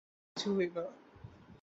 বুঝিলাম, কিছু হইবে না।